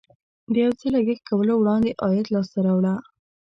د یو څه لګښت کولو وړاندې عاید لاسته راوړه.